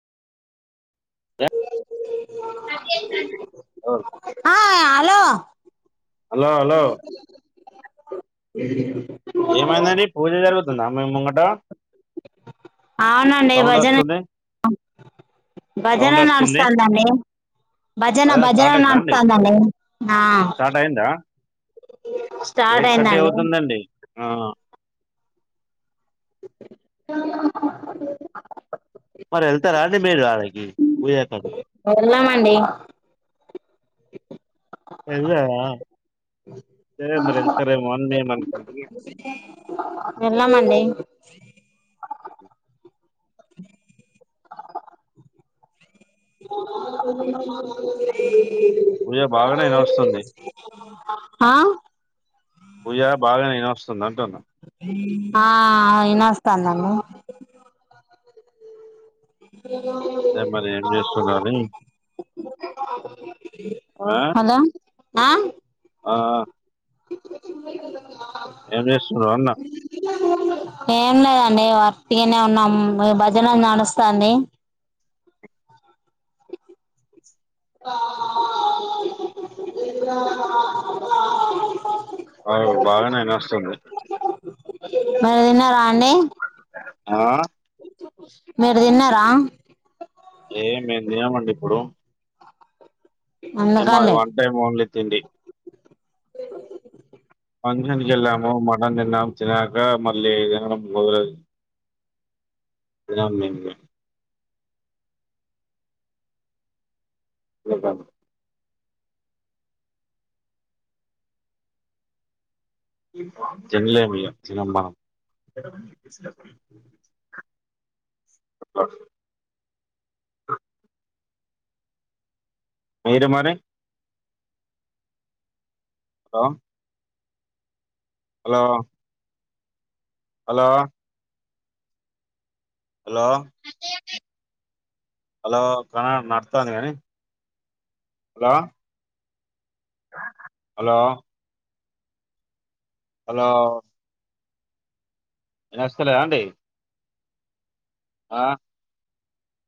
అ హా hello hello hello [inaudible] ఏమైందండి పూజ జరుగుతుందా మెమ్ ముంగట అవునండి సౌండ్ భజన్ వస్తుంది భజన సౌండ్ వస్తుంది నడుస్తందండి భజనా భజన నాడుస్తాంది అండి ఆ స్టార్ట్ యయిట్ థర్టీ అయిందండి అవుతుందండి ఆ [unintelligible] మరి వెళ్తారా అడి మేరు అడాగ పూజ కా వెళ్ళమండి వెళ్లారా సరే మరి వెళ్తారేమోని మేము అనుకున్నాం వెళ్ళమండి పూజ బాగానేనా ఏనొస్తుంది ఆ పూజ బాగా ఏనొస్తుంది అంటున్నా ఆ ఎనోత్సందండి అదే మరి ఏం అ చేస్తుందో అని హాలో ఆ ఆ ఆ క క ఏమ్జేస్తూరు అన్న ఏం లేదండి వట్టిగనే ఉన్నాం భజన నాడాస్తది ఆ ఇ అవు బాగానే ఇనస్తుంది మీరు తిన్నారాండి ఆ మీరు తిన్నారా ఏ మేమూతినమండి ఇప్పుడు ఇ మాది అందుకండి వన్ టైం ఓన్లీ తిండి ఫంక్షన్ కు వెళ్ళాము మటన్ తిన్నాము తినక మళ్ళీ తినడం కుదరదు [unintelligible] [unintelligible] తిన్లేమ్ము ఇగా తినం మనం [unintelligible] మీరు మరి hello hello hello hello hello [unintelligible] నడుతంది కానీ హలో హలో హలో ఇనస్తలేదాండి ఆ